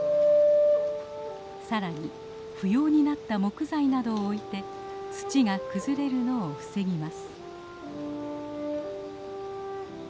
さらに不要になった木材などを置いて土が崩れるのを防ぎます。